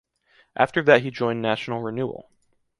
After that he joined National Renewal.